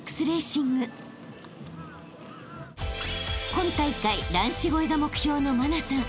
［今大会男子超えが目標の茉奈さん。